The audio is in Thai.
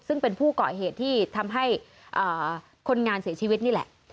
ซึ่งเป็นผู้เกาะเหตุที่ทำให้คนงานเสียชีวิตนี่แหละ